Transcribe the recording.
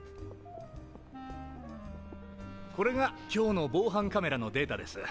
これが今日の防犯カメラのデータです。